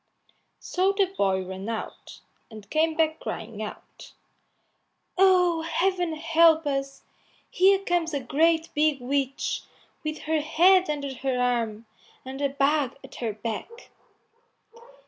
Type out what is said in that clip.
So the boy ran out, and came back crying out, "Oh, Heaven help us! here comes a great big witch, with her head under her arm, and a bag at her back."